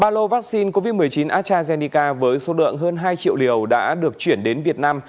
ba lô vaccine covid một mươi chín astrazeneca với số lượng hơn hai triệu liều đã được chuyển đến việt nam